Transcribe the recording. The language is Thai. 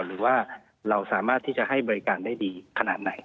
หรือว่าเราสามารถที่จะให้บริการได้ดีขนาดไหน